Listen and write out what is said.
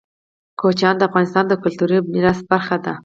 کوچیان د افغانستان د کلتوري میراث برخه ده.